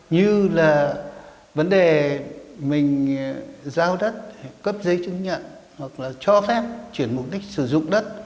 như là vấn đề mình giao đất cấp giấy chứng nhận hoặc là cho phép chuyển mục đích sử dụng đất